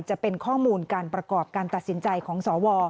จะเป็นข้อมูลการประกอบการตัดสินใจของสว